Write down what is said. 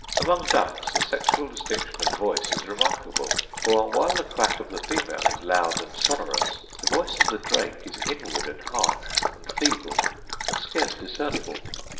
Among ducks the sexual distinction of voice is remarkable; for, while the quack of the female is loud and sonorous, the voice of the drake is inward and harsh and feeble, and scarce discernible.